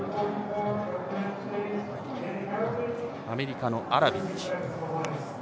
アメリカのアラビッチ。